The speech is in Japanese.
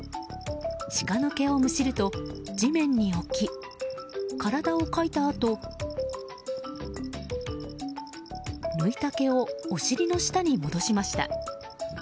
シカの毛をむしると地面に置き体をかいたあと抜いた毛をお尻の下に戻しました。